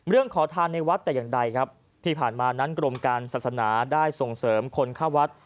ขอทานในวัดแต่อย่างใดครับที่ผ่านมานั้นกรมการศาสนาได้ส่งเสริมคนเข้าวัด